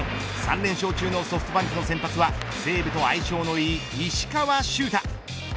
連勝中のソフトバンクの先発は西武と相性のいい石川柊太。